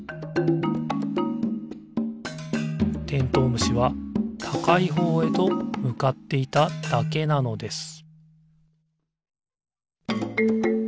虫はたかいほうへとむかっていただけなのです